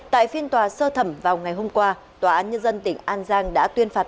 tại phiên tòa sơ thẩm vào ngày hôm qua tòa án nhân dân tỉnh an giang đã tuyên phạt